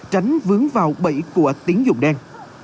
tránh vướng vào bẫy của tiếng dụng đen